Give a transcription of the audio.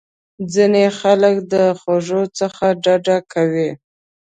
ځینې خلک د خوږو څخه ډډه کوي.